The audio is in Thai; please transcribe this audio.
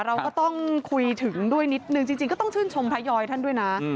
เราก็ต้องคุยถึงด้วยนิดนึงจริงก็ต้องชื่นชมพระยอยท่านด้วยนะ